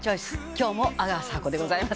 今日も阿川佐和子でございます。